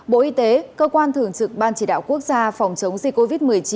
bộ y tế cơ quan thường trực ban chỉ đạo quốc gia phòng chống dịch covid một mươi chín